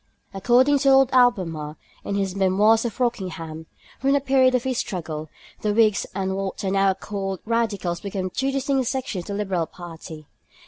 According to Lord Albemarle, in his Memoirs of Rockingham, ii. 209, from the period of this struggle 'the Whigs and what are now called Radicals became two distinct sections of the Liberal party.'